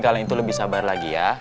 kalau itu lebih sabar lagi ya